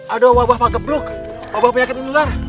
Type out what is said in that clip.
ada wabah pake bluk wabah penyakit indular